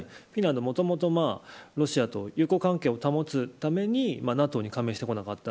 もともとロシアと友好関係を保つためにＮＡＴＯに加盟してこなかった。